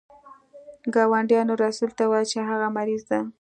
ګاونډیانو رسول ته وویل چې هغه مریض دی.